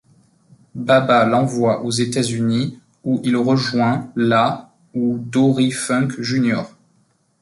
Baba l'envoie aux États-Unis où il rejoint la où Dory Funk, Jr.